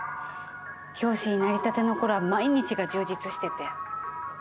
教師になりたてのころは毎日が充実してて。